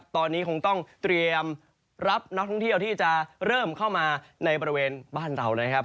ตอนนี้คงต้องเตรียมรับนักท่องเที่ยวที่จะเริ่มเข้ามาในบริเวณบ้านเรานะครับ